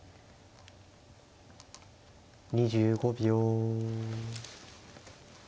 ２５秒。